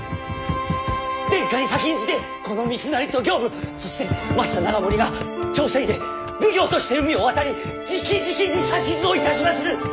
殿下に先んじてこの三成と刑部そして増田長盛が朝鮮へ奉行として海を渡りじきじきに指図をいたしまする！